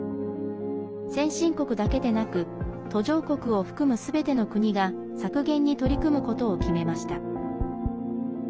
先進国だけでなく途上国を含む、すべての国が削減に取り組むことを決めました。